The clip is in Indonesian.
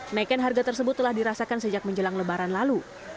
naikan harga tersebut telah dirasakan sejak menjelang lebaran lalu